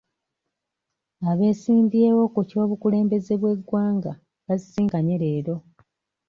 Abesimbyewo ku ky'obukulembeze b'eggwanga basisinkanye leero.